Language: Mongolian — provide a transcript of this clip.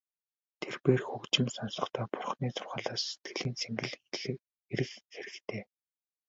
Тэрбээр хөгжим сонсохдоо ч Бурханы сургаалаас сэтгэлийн цэнгэл эрэх хэрэгтэй.